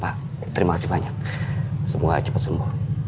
pak terima kasih banyak semoga cepat sembuh